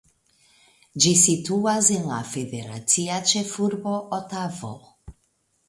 Ĝi situas en la federacia ĉefurbo Otavo.